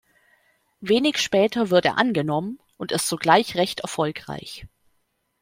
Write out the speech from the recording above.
Wenig später wird er angenommen und ist sogleich recht erfolgreich.